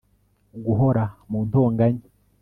guhora mu ntonganya